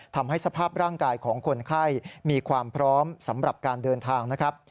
ทำให้สภาพร่างกายของคนไข้มีความพร้อมสำหรับการเดินทางนะครับ